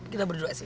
kita berdua sini